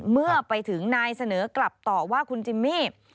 เมื่อไปถึงนายเสนอกลับต่อว่าคุณจิมมี่